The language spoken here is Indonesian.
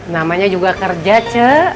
namanya juga kerja c